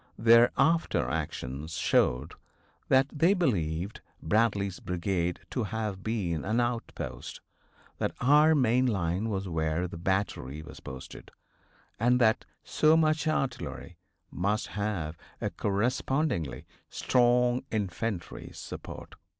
Their after actions showed that they believed Bradley's brigade to have been an outpost; that our main line was where the battery was posted, and that so much artillery must have a correspondingly strong infantry support.